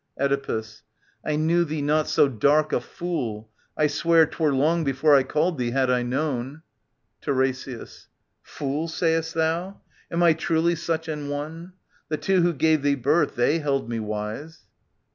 Oedipus. I knew thee not so dark a fool. I swear *Twcre long before I called thee, had I known. TiRESIAS. Fool, say'st thou ? Am I truly such an one ? The two who gave thee birth, they held me wise.